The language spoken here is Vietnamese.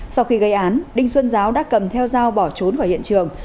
sau khi gây án đinh xuân giáo đã cầm theo dao bỏ trốn khỏi hiện trường